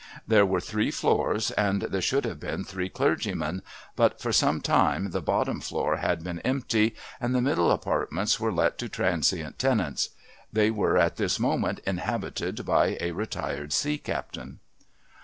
There were three floors and there should have been three clergymen, but for some time the bottom floor had been empty and the middle apartments were let to transient tenants. They were at this moment inhabited by a retired sea captain.